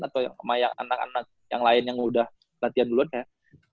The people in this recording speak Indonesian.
atau sama yang anak anak yang lain yang udah latihan duluan ya